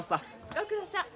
ご苦労さん。